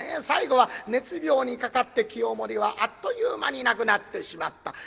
最後は熱病にかかって清盛はあっという間に亡くなってしまった。